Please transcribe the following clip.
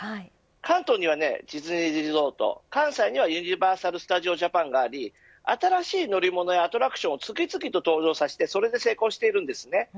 関東のディズニーリゾート関西のユニバーサル・スタジオ・ジャパンがあり新しい乗り物やアトラクションを次々に登場させてそれで成功しています。